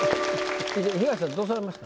東さんどうされました？